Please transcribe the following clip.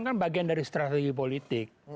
kan bagian dari strategi politik